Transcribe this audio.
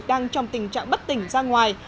đang trong tình trạng bất tỉnh ra ngoài